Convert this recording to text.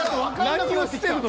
何をしてるの？